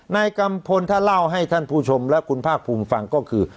นายกัมพลถ้าเล่าให้ท่านผู้ชมและคุณภาคภูมิฟังก็คือ